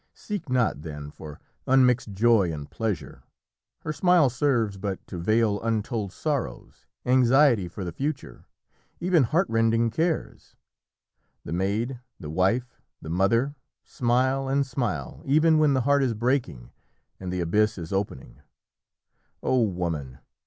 Seek not, then, for unmixed joy and pleasure! Her smile serves but to veil untold sorrows, anxiety for the future, even heartrending cares. The maid, the wife, the mother, smile and smile, even when the heart is breaking and the abyss is opening. O woman!